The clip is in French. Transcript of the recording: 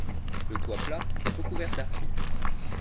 Le toit plat est recouvert d'argile.